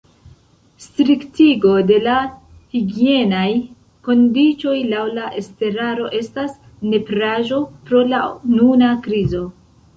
Striktigo de la higienaj kondiĉoj laŭ la estraro estas nepraĵo pro la nuna krizo.